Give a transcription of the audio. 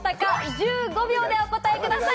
１５秒でお答えください。